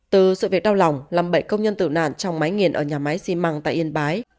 từ sự việc đau lòng làm bảy công nhân tử nạn trong máy nghiền ở nhà máy xi măng tại yên bái